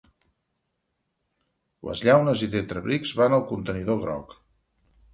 Les llaunes i tetrabrics van al contenidor groc.